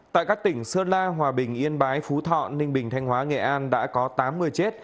tại các tỉnh sơn la hòa bình yên bái phú thọ ninh bình thanh hóa nghệ an đã có tám người chết